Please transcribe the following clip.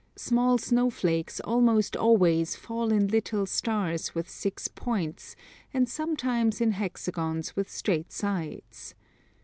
Small snowflakes almost always fall in little stars with 6 points, and sometimes in hexagons with straight sides.